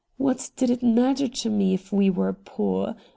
What did it matter to me if we were poor?